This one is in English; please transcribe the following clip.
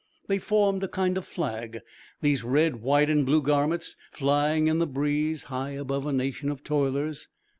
They formed a kind of flag these red, white, and blue garments flying in the breeze high above a nation of toilers.